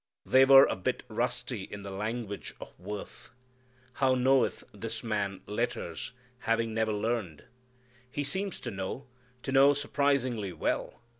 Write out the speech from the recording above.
They were a bit rusty in the language of worth. How knoweth this man letters, having never learned! He seems to know, to know surprisingly well.